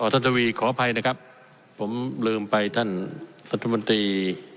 ท่านทวีขออภัยนะครับผมลืมไปท่านรัฐมนตรี